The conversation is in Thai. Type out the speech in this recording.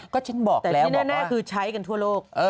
ก็ฉันบอกแล้วบอกว่าแต่ที่แน่คือใช้กันทั่วโลก